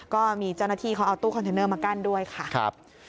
ก็มีเจ้าหน้าที่เขาเอาตู้คอนเทนเนอร์มากั้นด้วยค่ะครับ